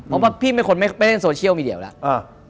เพราะว่าพี่เป็นคนไม่ไปเล่นโซเชียลมีเดียแล้ว